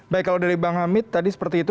baik kalau dari bang hamid tadi seperti itu